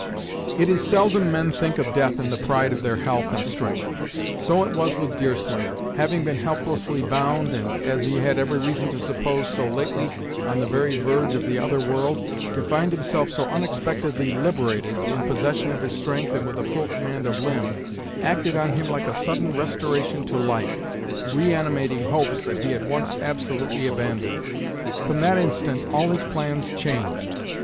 It is seldom men think of death in the pride of their health and strength. So it was with Deerslayer. Having been helplessly bound and, as he had every reason to suppose, so lately on the very verge of the other world, to find himself so unexpectedly liberated, in possession of his strength and with a full command of limb, acted on him like a sudden restoration to life, reanimating hopes that he had once absolutely abandoned. From that instant all his plans changed.